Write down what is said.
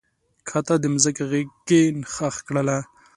کښته د مځکې غیږ کې ښخ کړله